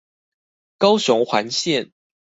高雄環線